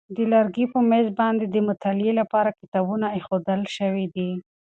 د لرګي په مېز باندې د مطالعې لپاره کتابونه ایښودل شوي دي.